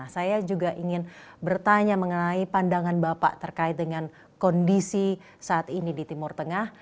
saya juga ingin bertanya mengenai pandangan bapak terkait dengan kondisi saat ini di timur tengah